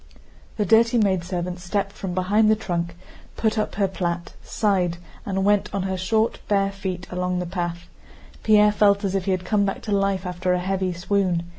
The dirty maidservant stepped from behind the trunk, put up her plait, sighed, and went on her short, bare feet along the path. Pierre felt as if he had come back to life after a heavy swoon.